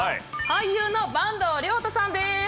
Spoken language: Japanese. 俳優の坂東龍汰さんです。